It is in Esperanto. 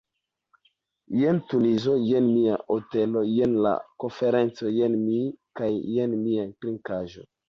Jen Tunizo, jen mia hotelo, jen la konferenco, jen mi kaj jen mia trinkaĵo.